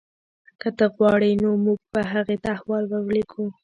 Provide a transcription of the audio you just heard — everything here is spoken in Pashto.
که ته غواړې نو موږ به هغې ته احوال ورلیږو